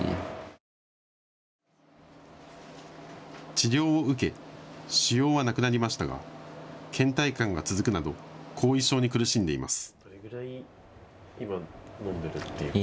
治療を受け腫瘍はなくなりましたがけん怠感が続くなど後遺症に苦しんでいます。